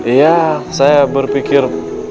iya saya berpikir